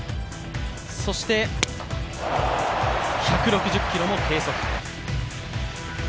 そして１６０キロを計測。